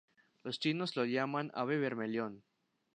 Los chinos lo llaman ave bermellón.